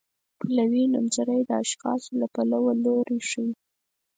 پلوي نومځري د اشخاصو له پلوه لوری ښيي.